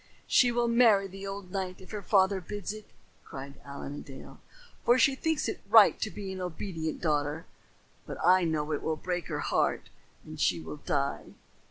"She will marry the old knight if her father bids her," cried Allen a Dale, "for she thinks it right to be an obedient daughter; but I know it will break her heart and she will die."